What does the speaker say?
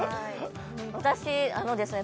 私あのですね